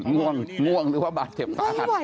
ง่วงง่วงหรือว่าบาดเฉพาะ